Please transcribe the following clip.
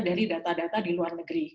dari data data di luar negeri